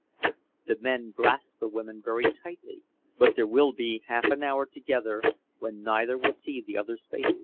The men grasp the women very tightly, but there will be half an hour together when neither will see the other's face.